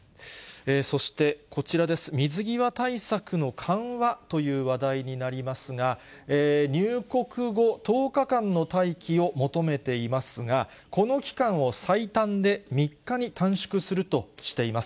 そして、こちらです、水際対策の緩和という話題になりますが、入国後１０日の待機を求めていますが、この期間を最短で３日に短縮するとしています。